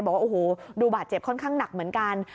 บอกว่าโอ้โหดูบาดเจ็บค่อนข้างหนักเหมือนกัน